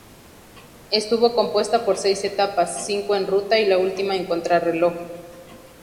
Estuvo compuesta por seis etapas: cinco en ruta y la última en contrarreloj.